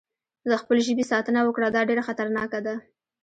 د خپل ژبې ساتنه وکړه، دا ډېره خطرناکه ده.